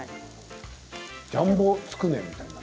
ジャンボつくねみたい。